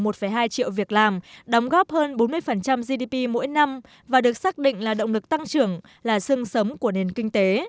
một hai triệu việc làm đóng góp hơn bốn mươi gdp mỗi năm và được xác định là động lực tăng trưởng là sưng sống của nền kinh tế